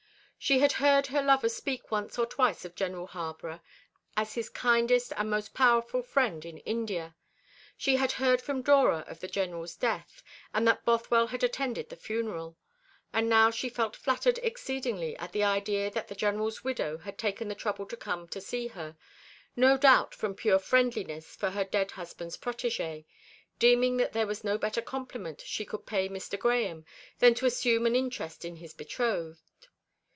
She had heard her lover speak once or twice of General Harborough as his kindest and most powerful friend in India. She had heard from Dora of the General's death, and that Bothwell had attended the funeral. And now she felt flattered exceedingly at the idea that the General's widow had taken the trouble to come to see her; no doubt from pure friendliness for her dead husband's protégé deeming that there was no better compliment she could pay Mr. Grahame than to assume an interest in his betrothed.